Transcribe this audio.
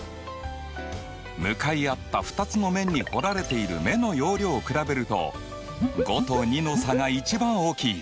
向かい合った２つの面に掘られている目の容量を比べると５と２の差が一番大きい。